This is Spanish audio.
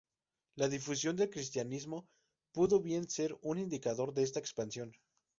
La difusión del cristianismo pudo bien ser un indicador de esta expansión.